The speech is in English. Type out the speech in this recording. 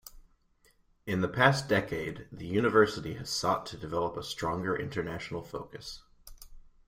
In the past decade, the university has sought to develop a stronger international focus.